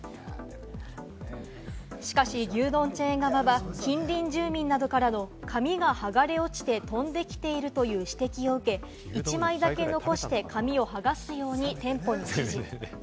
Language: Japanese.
しかし、牛丼チェーン側は、近隣住民などからの紙が剥がれ落ちて飛んできているという指摘を受け、１枚だけ残して紙を剥がすように店舗に指示。